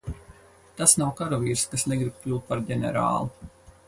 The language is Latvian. Tas nav karavīrs, kas negrib kļūt par ģenerāli.